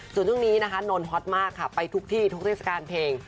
ส่วนตรงนี้นะคะนนทนฮอตมากค่ะไปทุกที่ทุกที่สการเพลง